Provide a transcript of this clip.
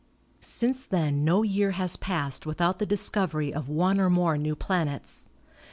Since then no year has passed without the discovery of one or more new planets.